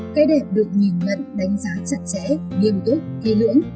cái đẹp được nhìn mẫn đánh giá chặt chẽ nghiêm túc hay lưỡng